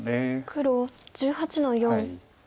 黒１８の四。